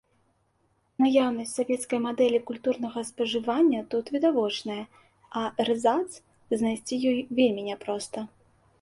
Наяўнасць савецкай мадэлі культурнага спажывання тут відавочная, а эрзац знайсці ёй вельмі не проста.